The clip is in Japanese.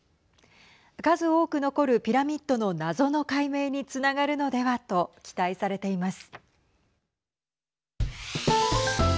数多く残るピラミッドのなぞの解明につながるのではと期待されています。